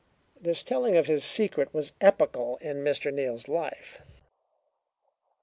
This telling of his secret was epochal in Mr. Neal's life.